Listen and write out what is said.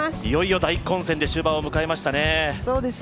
いよいよ大混戦で終盤を迎えましたね。